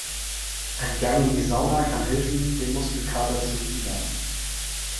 Ein Gang in die Sauna kann helfen, den Muskelkater zu lindern.